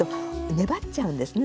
粘っちゃうんですね。